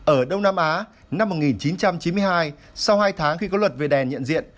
ở đông nam á năm một nghìn chín trăm chín mươi hai sau hai tháng khi có luật về đèn nhận diện